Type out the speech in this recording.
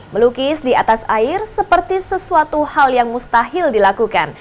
melukis di atas air seperti sesuatu hal yang mustahil dilakukan